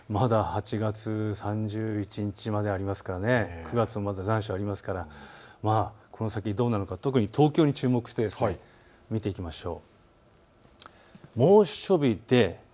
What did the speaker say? まだ８月３１日までありますし９月も残暑ありますからこの先どうなるのかこの先、東京に注目して見ていきましょう。